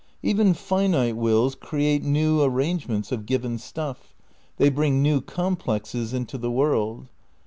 Even finite wills create new arrangements of given stuff, they bring new complexes into the world.